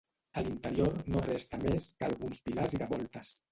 A l'interior no resta més que alguns pilars i de voltes.